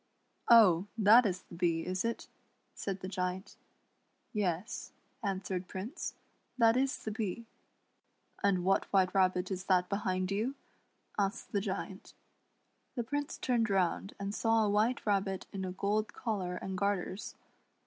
" Oh ! that is the Bee, is it ?" said the Giant. " Yes," answered Prince, "that is the Bee." " And what White Rabbit is that behind you }" asked the Giant. The Prince turned round and saw a White Rabbit in a gold collar and garters.